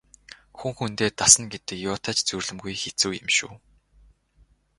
Хүн хүндээ дасна гэдэг юутай ч зүйрлэмгүй хэцүү юм шүү.